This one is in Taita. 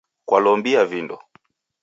Kwalombia vindo?